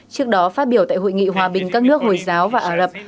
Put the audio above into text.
trước đó phát biểu tại hội nghị hòa bình các nước hồi giáo và ả rập